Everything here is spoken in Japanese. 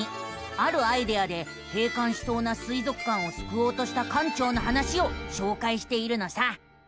あるアイデアで閉館しそうな水族館をすくおうとした館長の話をしょうかいしているのさ。